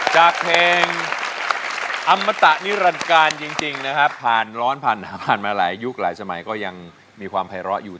จากเพลงอมตะนิรันการจริงนะครับผ่านร้อนผ่านผ่านมาหลายยุคหลายสมัยก็ยังมีความภัยร้ออยู่